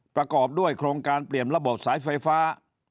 ประกอบด้วยโครงการเปลี่ยนระบบสายไฟฟ้า